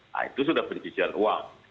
nah itu sudah pencucian uang